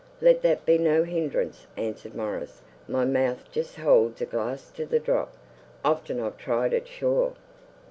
'Let that be no hindrance,' answered Maurice; 'my mouth just holds a glass to the drop; often I've tried it sure.